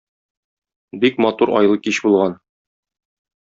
Бик матур айлы кич булган.